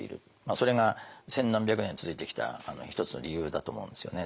それが千何百年続いてきた一つの理由だと思うんですよね。